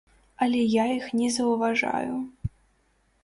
Але я іх не заўважаю.